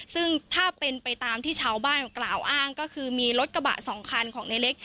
ซึ่งถ้าเป็นไปตามที่ชาวบ้านกล่าวอ้างก็คือมีรถกระบะสองคันของในเล็ก